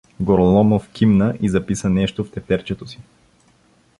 Гороломов кимна и записа нещо в тефтерчето си.